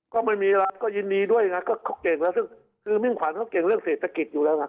ก็ไม่มีอะไรก็ยินดีด้วยนะก็เขาเก่งแล้วซึ่งคือมิ่งขวัญเขาเก่งเรื่องเศรษฐกิจอยู่แล้วไง